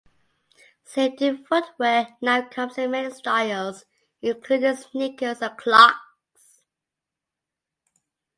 Safety footwear now comes in many styles, including sneakers and clogs.